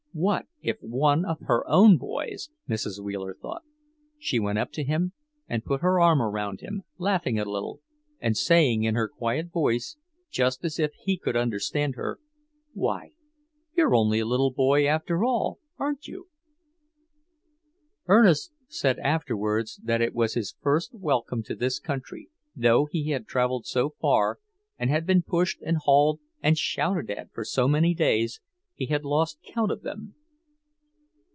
What if one of her own boys, Mrs. Wheeler thought.... She went up to him and put her arm around him, laughing a little and saying in her quiet voice, just as if he could understand her, "Why, you're only a little boy after all, aren't you?" Ernest said afterwards that it was his first welcome to this country, though he had travelled so far, and had been pushed and hauled and shouted at for so many days, he had lost count of them.